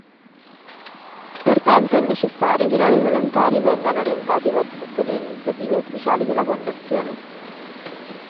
Pertanto, è necessario che i nuovi volontari vengano orientati verso tutte le iniziative ufficiali della fondazione.